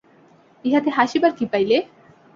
ইহাতে হাসিবার কি পাইলে?